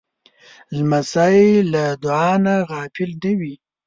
لمسی له دعا نه غافل نه وي.